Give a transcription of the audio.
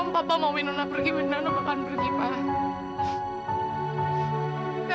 sampai jumpa di video selanjutnya